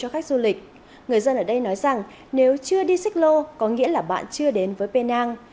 cho khách du lịch người dân ở đây nói rằng nếu chưa đi xích lô có nghĩa là bạn chưa đến với penang